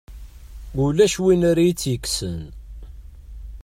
Ulac win ara iyi-tt-yekksen.